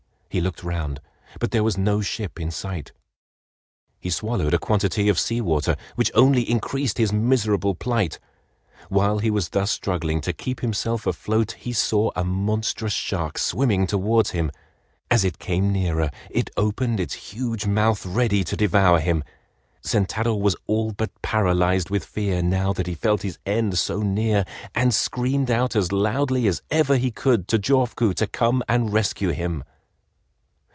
He looked round, but there was no ship in sight. He swallowed a quantity of sea water, which only increased his miserable plight. While he was thus struggling to keep himself afloat, he saw a monstrous shark swimming towards him. As it came nearer it opened its huge mouth ready to devour him. Sentaro was all but paralyzed with fear now that he felt his end so near, and screamed out as loudly as ever he could to Jofuku to come and rescue him.